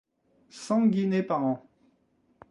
Cent guinées par an.